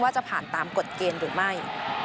จะผ่านตามกฎเกณฑ์หรือไม่